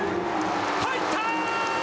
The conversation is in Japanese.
入った！